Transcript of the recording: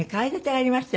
はい。